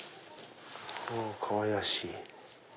かわいらしい。